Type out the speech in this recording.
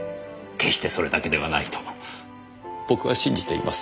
決してそれだけではないと僕は信じています。